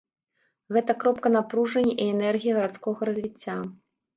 Гэта кропка напружання і энергіі гарадскога развіцця.